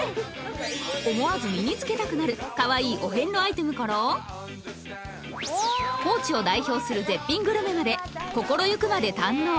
思わず身につけたくなるかわいいお遍路アイテムから高知を代表する絶品グルメまで心ゆくまで堪能！